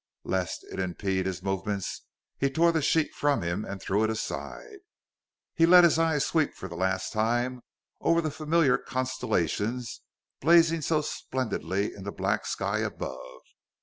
Lest it impede his movements, he tore the sheet from him and threw it aside. He let his eyes sweep for a last time over the familiar constellations blazing so splendidly in the black sky above.